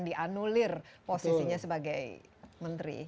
dianulir posisinya sebagai menteri